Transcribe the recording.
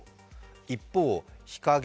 一方、日陰、